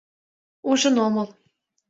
Ужын омыл...